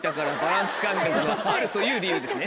という理由ですね。